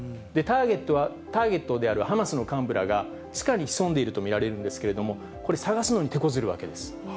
ターゲットであるハマスの幹部らが地下に潜んでいると見られるんですけれども、これ、捜すのに手こずるわけです。